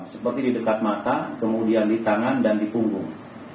seperti di dekat mata kemudian di tangan dan di punggung